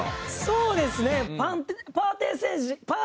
そうですね。